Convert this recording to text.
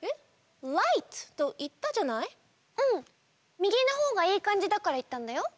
右のほうがいいかんじだからいったんだよ。